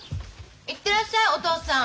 行ってらっしゃいお父さん。